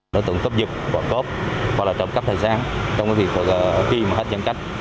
đối tượng cấp dựng bỏ cốp hoặc là cấp thời gian trong việc khi mà hết giãn cách